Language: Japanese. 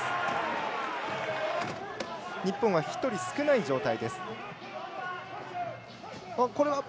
日本は１人少ない状態。